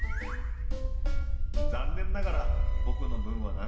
残念ながら僕の分はないみたい。